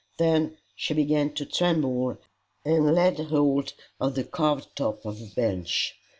Then she began to tremble, and laid hold of the carved top of a bench.